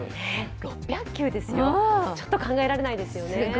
６００球ですよ、ちょっと考えられないですよね。